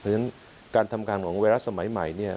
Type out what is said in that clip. เพราะฉะนั้นการทำงานของไวรัสสมัยใหม่เนี่ย